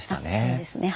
そうですね。